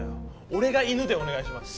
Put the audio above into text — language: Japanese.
俺が犬でお願いします。